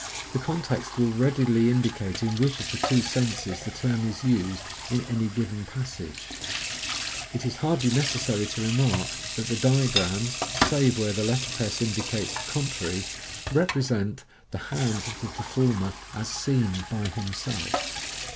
The con text will readily indicate in which of the two senses the term is used in any given passage. It is hardly necessary to remark that the diagrams, save where the letterpress inctW cates the contrary, represent the hands of the performer as sun by himself.